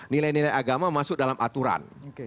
nilai nilai agama masuk dalam aturan